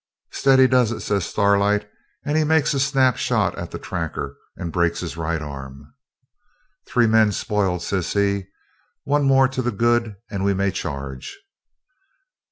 'Steady does it,' says Starlight, and he makes a snap shot at the tracker, and breaks his right arm. 'Three men spoiled,' says he; 'one more to the good and we may charge.'